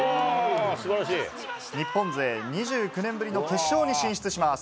日本勢２９年ぶりの決勝に進出します。